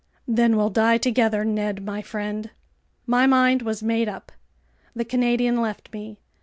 "Then we'll die together, Ned my friend." My mind was made up. The Canadian left me.